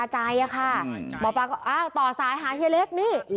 หมอปลาก็ต่อสายหาเฮเล็ก